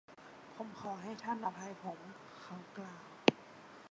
“ผมขอให้ท่านอภัยผม” เขากล่าว